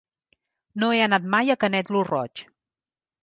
No he anat mai a Canet lo Roig.